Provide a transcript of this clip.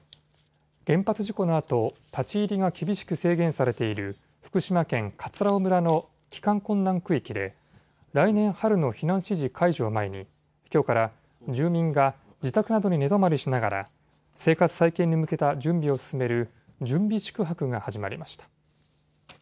原発事故のあと、立ち入りが厳しく制限されている福島県葛尾村の帰還困難区域で来年春の避難指示解除を前にきょうから住民が自宅などに寝泊まりしながら生活再建に向けた準備を進める準備宿泊が始まりました。